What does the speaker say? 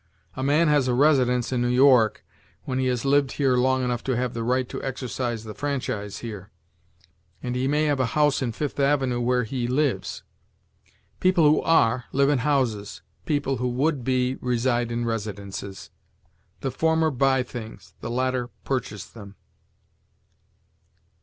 A man has a residence in New York, when he has lived here long enough to have the right to exercise the franchise here; and he may have a house in Fifth Avenue where he lives. People who are live in houses; people who would be reside in residences. The former buy things; the latter purchase them.